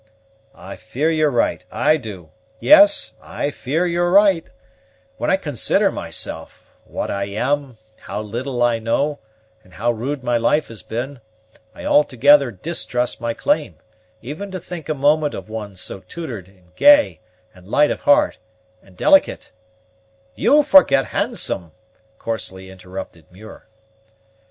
"I fear you're right, I do; yes, I fear you're right; when I consider myself, what I am, how little I know, and how rude my life has been, I altogether distrust my claim, even to think a moment of one so tutored, and gay, and light of heart, and delicate " "You forget handsome," coarsely interrupted Muir.